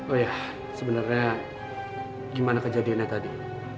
oh ya sebenarnya gimana kejadiannya tadi